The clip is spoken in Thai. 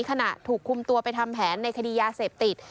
ขณะถูกคุมตัวไปทำแผนในคดียาเสพติด